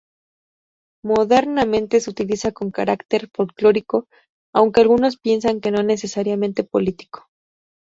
Modernamente se utiliza con carácter folclórico, aunque algunos piensan que no necesariamente político.